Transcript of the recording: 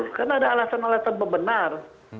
tapi itu ada alasan alasan benar